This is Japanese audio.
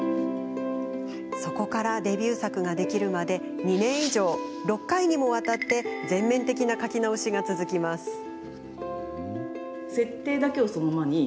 そこからデビュー作ができるまで２年以上、６回にもわたって全面的な書き直しが続きます。